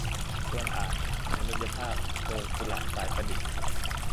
ชวนอ่าน "มนุษยภาพ" โดย กุหลาบ สายประดิษฐ์